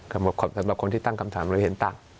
สำหรับคนที่ตั้งคำถามเราเห็นต่าง